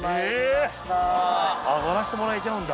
上がらせてもらえちゃうんだ。